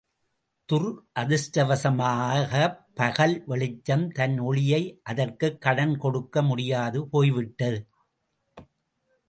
துரதிர்ஷ்டவசமாகப் பகல் வெளிச்சம் தன் ஒளியை அதற்குக் கடன் கொடுக்க முடியாது போய்விட்டது.